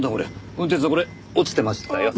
運転手さんこれ落ちてましたよ。